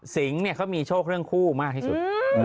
สิงขมีช่วยเรื่องคู่มากที่สุด